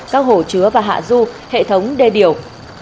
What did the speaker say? các hồ chứa và hạ du hệ thống đê điều